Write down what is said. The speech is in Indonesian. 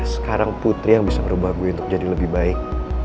sekarang putri yang bisa berubah gue untuk jadi lebih baik